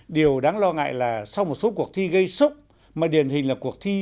điều đáng lo ngại là sau một số cuộc thi gây sốc mà điển hình là cuộc thi